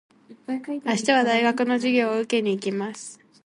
明日は大学の授業を受けに行きます。